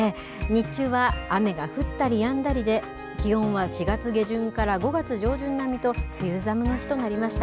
日中は雨が降ったりやんだりで気温は４月下旬から５月上旬並みと梅雨寒の日となりました。